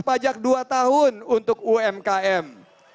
pajak dua tahun untuk umkm